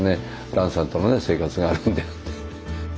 蘭さんとのね生活があるので。